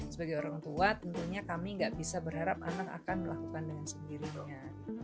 sebagai orang tua tentunya kami nggak bisa berharap anak akan melakukan dengan sendirinya